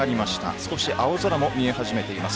少し青空も見え始めています。